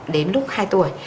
đến lúc hai tuổi